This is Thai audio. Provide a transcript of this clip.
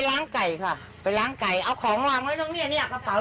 ไก่ค่ะไปล้างไก่เอาของวางไว้ตรงเนี้ยเนี้ยกระเป๋า